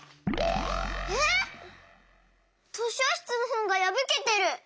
えっ！？としょしつのほんがやぶけてる！